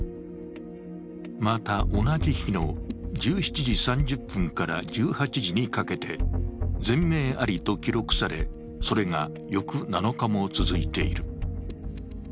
また、同じ日の１７時３０分から１８時にかけて、ぜん鳴ありと記録され、それが翌７日も続いている。